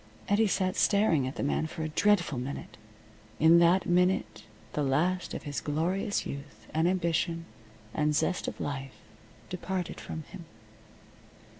Eddie sat staring at the man for a dreadful minute. In that minute the last of his glorious youth, and ambition, and zest of life departed from him.